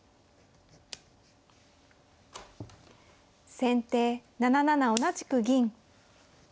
先手７七同じく銀。